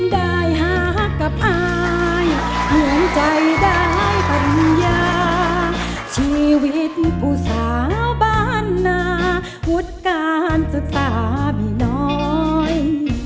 ได้หากับอายเหมือนใจได้ปัญญาชีวิตผู้สาวบ้านนาวุฒิการศึกษามีน้อย